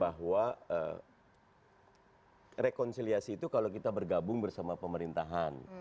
bahwa rekonsiliasi itu kalau kita bergabung bersama pemerintahan